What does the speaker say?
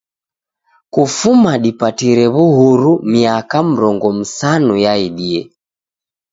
Kufuma dipatire w'uhuru miaka mrongo msanu yaidie.